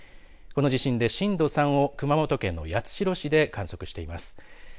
この地震で震度３を熊本県の八代市で観測しています。